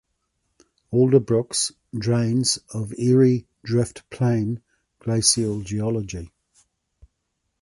Alder Brook drains of Erie Drift Plain (glacial geology).